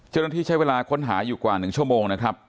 เจ้าหน้าที่ใช้เวลาค้นหาอยู่กว่า๑ชั่วโมงนะครับ